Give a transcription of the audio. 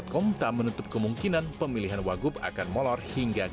tidak menutup kemungkinan pemilihan wagub akan molor hingga kemungkinan